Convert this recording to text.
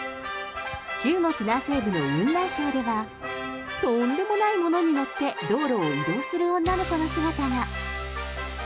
中国南西部の雲南省では、とんでもないものに乗って道路を移動する女の子の姿が。